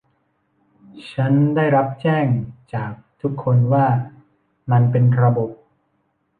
ฉันได้รับแจ้งจากทุกคนว่า มันเป็นระบบ